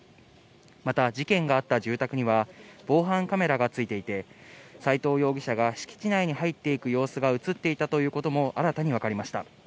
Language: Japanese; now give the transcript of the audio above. また事件があった住宅には防犯カメラがついていて、斎藤容疑者が敷地内に入っていく様子が映っていたということも新たに分かりました。